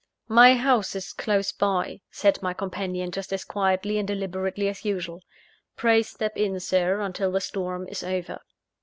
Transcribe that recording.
"My house is close by," said my companion, just as quietly and deliberately as usual "pray step in, Sir, until the storm is over."